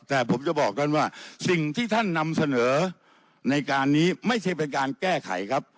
แต่ผมจะบอกกันว่าสิ่งที่ท่านนำเสนอในการนี้ไม่ใช่เป็นการแก้ไขครับ